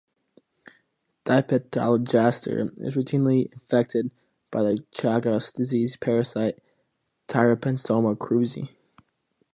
"Dipetalogaster" is routinely infected by the Chagas disease parasite "Trypanosoma cruzi".